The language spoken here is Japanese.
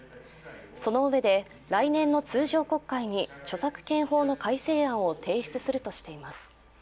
そのうえで来年の通常国会に著作権法の改正案を提出するとしています。